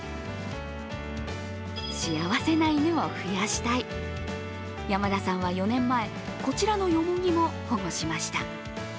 幸せな犬を増やしたい、山田さんは４年前、こちらのよもぎも保護しました。